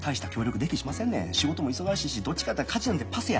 仕事も忙しいしどっちかやったら家事なんてパスや。